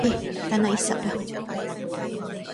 Okey taknak hisap dah.